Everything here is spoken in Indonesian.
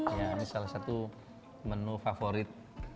ya ini salah satu menu favorit